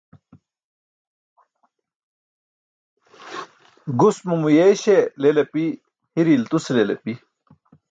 Gus mo muyeeśe leel api, hire iltuse leel api